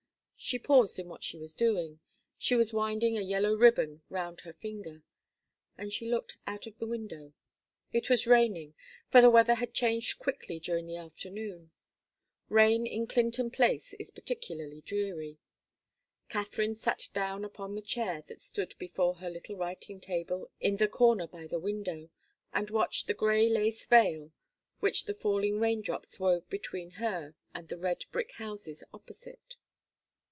She paused in what she was doing she was winding a yellow ribbon round her finger and she looked out of the window. It was raining, for the weather had changed quickly during the afternoon. Rain in Clinton Place is particularly dreary. Katharine sat down upon the chair that stood before her little writing table in the corner by the window, and watched the grey lace veil which the falling raindrops wove between her and the red brick houses opposite.